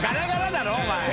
だろ？お前。）